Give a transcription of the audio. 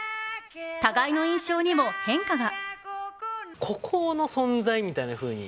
互いの印象にも変化が。